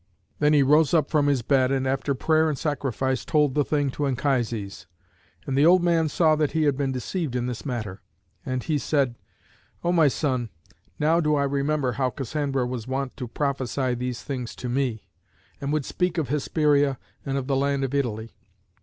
Then he rose up from his bed, and after prayer and sacrifice told the thing to Anchises. And the old man saw that he had been deceived in this matter, and he said, "O my son, now do I remember how Cassandra was wont to prophesy these things to me, and would speak of Hesperia and of the land of Italy.